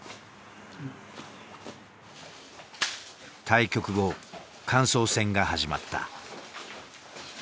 対局後感想戦が始まった。